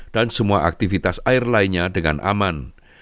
dan semua aktivitas air lainnya dengan aman